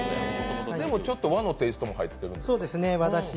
でもちょっと和のテイストも入ってるんですね。